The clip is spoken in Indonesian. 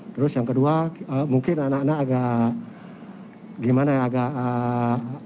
terus yang kedua mungkin anak anak agak gimana ya agak